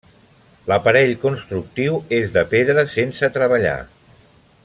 L'aparell constructiu és de pedra sense treballar.